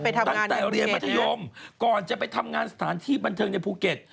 ตั้งแต่เรียนมัธยมก่อนจะไปทำงานสถานที่บันเทิงในภูเก็ต